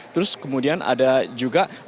terus kemudian ada juga